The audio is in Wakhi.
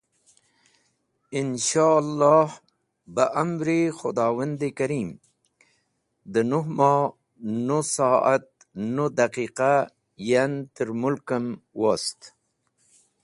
Insholloh, ba amr-e Khudowand-e Karim, dẽ nũh moh nũh so’at nũh daqiqa yan ta’r malkũm wost.